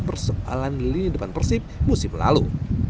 persoalan lini depan persib musim lalu